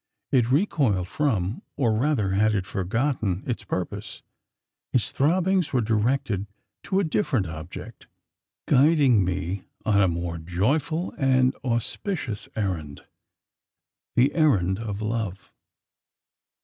It recoiled from, or rather had it forgotten, its purpose. Its throbbings were directed to a different object: guiding me on a more joyful and auspicious errand the errand of love.